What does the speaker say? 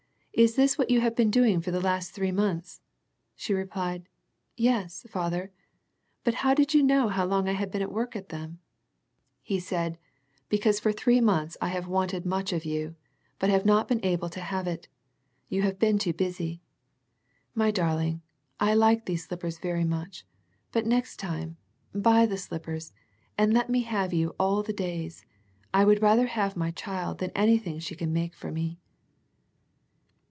Is this what you have been doing for the last three months ?" She replied " Yes, Father, but how did you know how long I had been at work on them ?" He said " Because for three months I have wanted much of you, but have not been able to have it. You have been too busy. My darling, I like these slip pers very much, but next time, buy the slippers, and let me have you all the days, I would rather have my child than anything she can make for me."